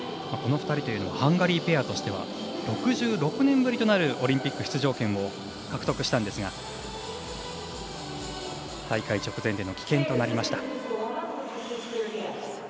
この２人ハンガリーペアとしては６６年ぶりとなるオリンピック出場権を獲得したんですが大会直前での棄権となりました。